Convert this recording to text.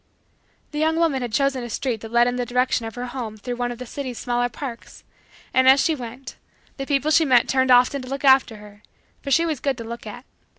The young woman had chosen a street that led in the direction of her home through one of the city's smaller parks, and, as she went, the people she met turned often to look after her for she was good to look at.